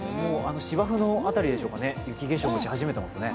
芝生の辺りでしょうかね、雪化粧もし始めていますね。